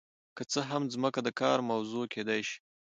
که څه هم ځمکه د کار موضوع کیدای شي.